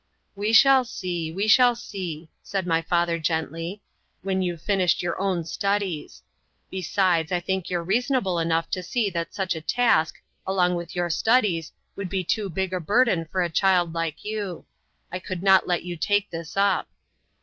"We shall see, we shall see," said my father gently, "when you've finished your own studies. Besides I think you're reasonable enough to see that such a task along with your studies would be too big a burden for a child like you. I could not let you take this up."